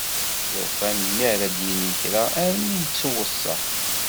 Llufan mi ara d-yini kra armi ittuweṣṣa.